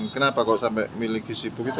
kenapa kok sampai miliki si ibu gitu